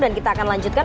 dan kita akan lanjutkan